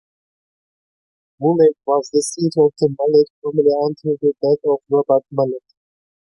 Woolleigh was the seat of the Mallet family until the death of Robert Mallet.